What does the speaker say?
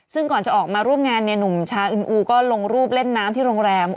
ซึ่งก่อนจะออกมาร่วมงานเนี่ยหนุ่มชาอึนอูก็ลงรูปเล่นน้ำที่โรงแรม